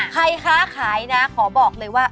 ค้าขายนะขอบอกเลยว่า